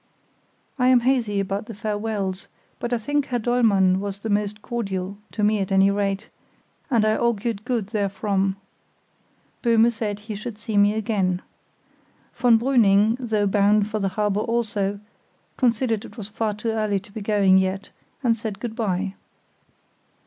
I am hazy about the farewells, but I think that Dollmann was the most cordial, to me at any rate, and I augured good therefrom. Böhme said he should see me again. Von Brüning, though bound for the harbour also, considered it was far too early to be going yet, and said good bye.